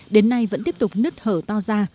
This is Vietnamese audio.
đến nay vẫn tiếp tục nứt hở to ra